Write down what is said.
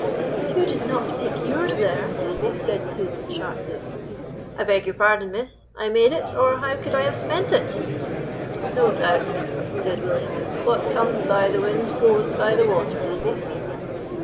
"You did not make yours there," said Susan sharply. "I beg your pardon, miss. I made it, or how could I have spent it?" "No doubt," said William. "What comes by the wind goes by the water."